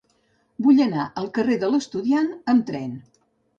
Vull anar al carrer de l'Estudiant amb tren.